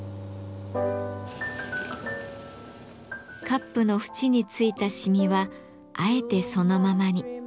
カップのふちについたしみはあえてそのままに。